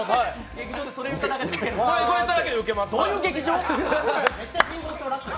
劇場でこれやっただけでウケる？